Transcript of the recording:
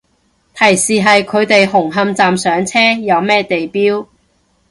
提示係佢哋紅磡站上車，有咩地標